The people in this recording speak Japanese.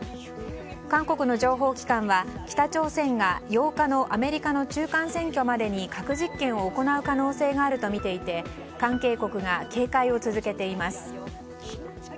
韓国の情報機関は北朝鮮が８日のアメリカの中間選挙までに核実験を行う可能性があるとみていて関係国が警戒を続けています。